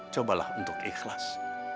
cobalah untuk ikhlas